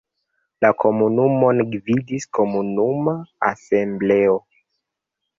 La komunumon gvidis komunuma asembleo.